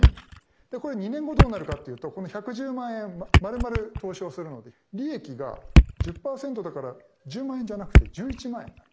でこれ２年後どうなるかっていうとこの１１０万円まるまる投資をするので利益が１０％だから１０万円じゃなくて１１万円になる。